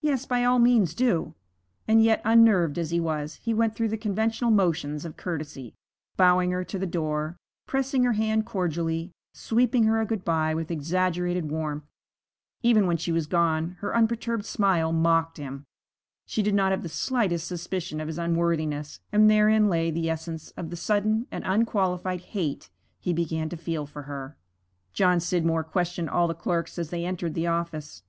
Yes, by all means do!' And yet, unnerved as he was, he went through the conventional motions of courtesy, bowing her to the door, pressing her hand cordially, sweeping her a good bye with exaggerated warmth. Even when she was gone her unperturbed smile mocked him. She did not have the slightest suspicion of his unworthiness, and therein lay the essence of the sudden and unqualified hate he began to feel for her. John Scidmore questioned all the clerks as they entered the office.